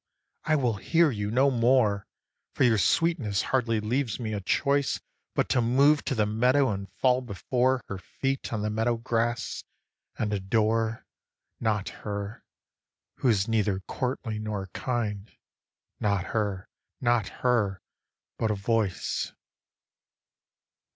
I will hear you no more, For your sweetness hardly leaves me a choice But to move to the meadow and fall before Her feet on the meadow grass, and adore, Not her, who is neither courtly nor kind, Not her, not her, but a voice.